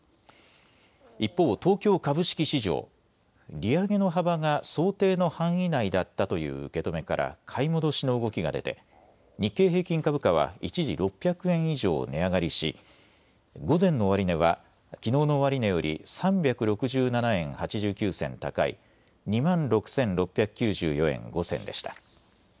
一方、東京株式市場、利上げの幅が想定の範囲内だったという受け止めから買い戻しの動きが出て日経平均株価は一時、６００円以上値上がりし午前の終値はきのうの終値より３６７円８９銭高い２万６６９４円５銭でした。